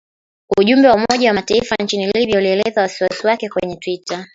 Ujumbe wa Umoja wa Mataifa nchini Libya ulielezea wasiwasi wake kwenye twita